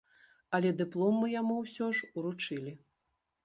Але дыплом мы яму ўсё ж уручылі.